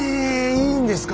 いいんですか？